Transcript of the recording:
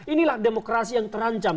inilah demokrasi yang terancam